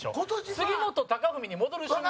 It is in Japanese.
杉本高文に戻る瞬間。